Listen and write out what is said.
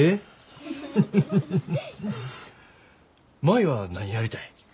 舞は何やりたい？